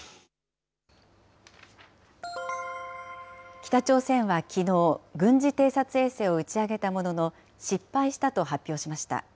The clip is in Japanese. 北朝鮮はきのう、軍事偵察衛星を打ち上げたものの、失敗したと発表しました。